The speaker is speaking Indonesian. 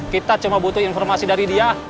kita cuma butuh informasi dari dia